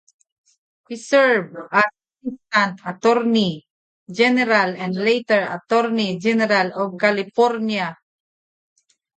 He served as Assistant Attorney General and later Attorney General of California.